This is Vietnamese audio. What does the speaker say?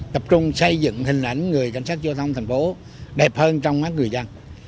tập trung xây dựng hình ảnh người cảnh sát giao thông thành phố đẹp hơn trong mắt người dân